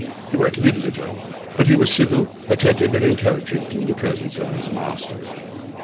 He worked little at home; but he was civil, attentive, and intelligent in the presence of his masters.